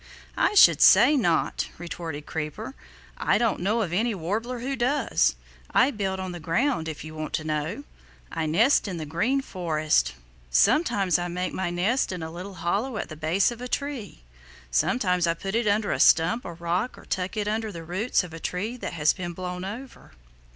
"I should say not," retorted Creeper. "I don't know of any Warbler who does. I build on the ground, if you want to know. I nest in the Green Forest. Sometimes I make my nest in a little hollow at the base of a tree; sometimes I put it under a stump or rock or tuck it in under the roots of a tree that has been blown over.